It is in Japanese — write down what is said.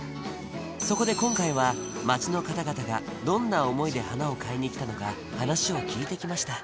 そこで今回は街の方々がどんな思いで花を買いに来たのか話を聞いてきました